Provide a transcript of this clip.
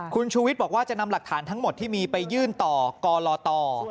คุณชูวิทย์บอกว่าจะนำหลักฐานทั้งหมดที่มีไปยื่นต่อกรต